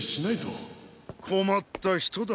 こまったひとだ